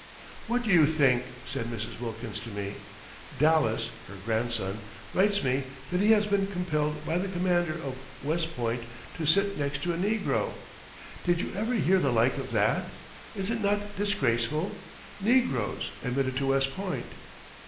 "What do you think!" said Mrs. Wilkins to me; "Dallas" (her grandson) "writes me that he has been compelled by the commandant of West Point to sit next a negro! Did you ever hear the like of that? Is it not disgraceful? Negroes admitted to West Point!"